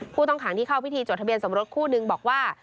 ผู้ต้องขังที่เข้าพิธีจดทะเบียนสมรสคู่นึงบอกว่า